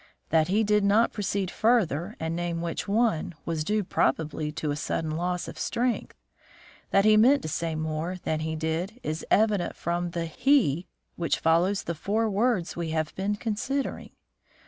That he did not proceed further and name which one, was due probably to a sudden loss of strength. That he meant to say more than he did is evident from the he which follows the four words we have been considering."